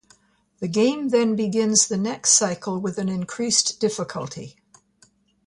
The game then begins the next cycle with an increased difficulty.